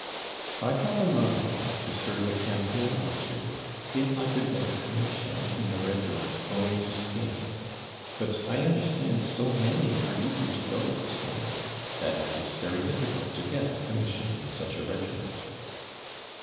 I have a mind to serve a campaign or two, if I could get a commission in a regiment going to Spain; but I understand so many are eager to go at this moment, that it is very difficult to get a commission in such a regiment.'